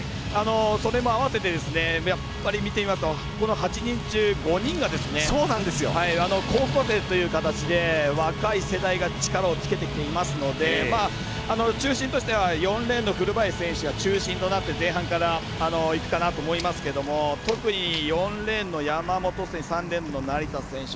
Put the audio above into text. それも合わせて見てみますと８人中５人が高校生という形で、若い世代が力をつけてきていますので中心としては４レーンの古林選手が中心となって前半からいくかなと思いますけど特に４レーンの山本選手３レーンの成田選手